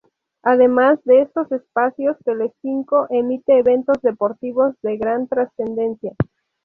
Además de estos espacios, Telecinco emite eventos deportivos de gran trascendencia.